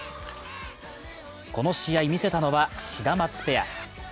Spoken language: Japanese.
この試合、見せたのはシダマツペア。